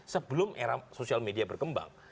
sebelum era sosial media berkembang